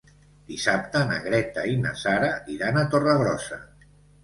Dissabte na Greta i na Sara iran a Torregrossa.